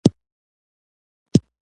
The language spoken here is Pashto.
باز د اسمان بادونه زغمي